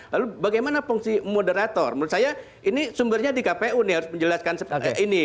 lalu bagaimana fungsi moderator menurut saya ini sumbernya di kpu nih harus menjelaskan seperti ini